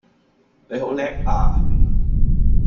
你好叻啊